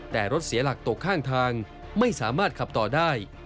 แต่รถเสียหลักตกข้างทางไม่สามารถขับต่อได้